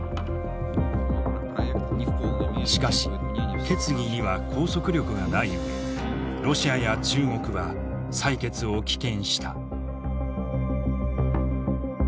しかし決議には拘束力がない上ロシアや中国は採決を棄権した。